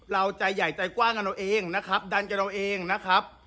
ใจใหญ่ใจกว้างกันเอาเองนะครับดันกันเอาเองนะครับ